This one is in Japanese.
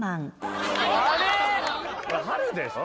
春でしょ？